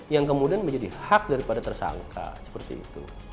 yang kemudian menjadi hak daripada tersangka seperti itu